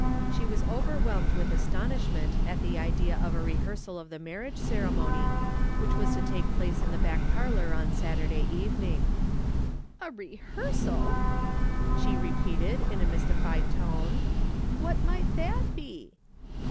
She was overwhelmed with astonishment at the idea of a rehearsal of the marriage ceremony, which was to take place in the back parlour on Saturday evening. " A rehearsal !" she repeated, in a mystified tone ;" what might that be